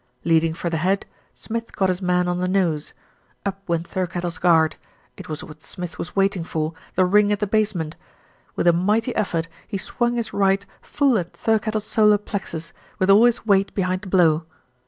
Leading for the head, Smith got his man on the nose. Up went Thirkettle's guard. It was what Smith was waiting for, the ring at the basement! With a mighty effort he swung his right full at Thirkettle's solar plexus, with all his weight behind the blow.